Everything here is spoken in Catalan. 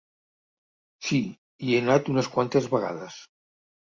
Sí, hi he anat unes quantes vegades.